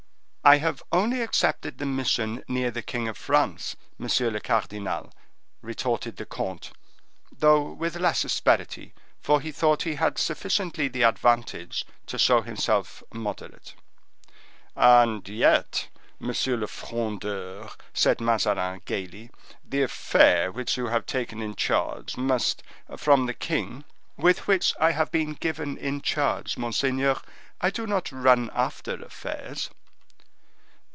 "I have only accepted the mission near the king of France, monsieur le cardinal," retorted the comte, though with less asperity, for he thought he had sufficiently the advantage to show himself moderate. "And yet, Monsieur le Frondeur," said Mazarin, gayly, "the affair which you have taken in charge must, from the king—" "With which I have been given in charge, monseigneur. I do not run after affairs."